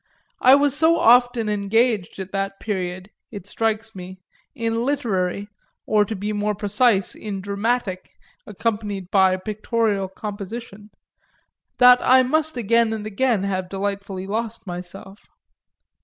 I was so often engaged at that period, it strikes me, in literary or, to be more precise in dramatic, accompanied by pictorial composition that I must again and again have delightfully lost myself.